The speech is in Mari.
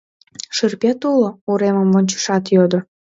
— Шырпет уло? — уремым вончышат, йодо.